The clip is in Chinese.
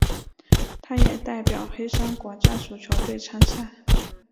他也代表黑山国家足球队参赛。